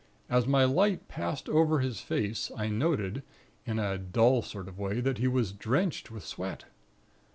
As my light passed over his face, I noted, in a dull sort of way, that he was drenched with sweat.